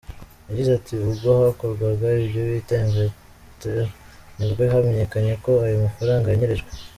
Yagize ati Ubwo hakorwaga ibyo bita inventaire, nibwo hamenyekanye ko ayo mafaranga yanyerejwe.